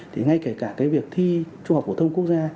thì ngay kể cả cái việc thi trung học phổ thông quốc gia